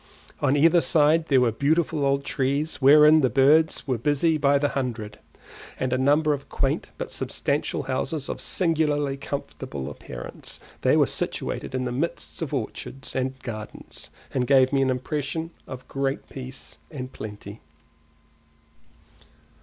On either side there were beautiful old trees wherein the birds were busy by the hundred, and a number of quaint but substantial houses of singularly comfortable appearance; they were situated in the midst of orchards and gardens, and gave me an impression of great peace and plenty.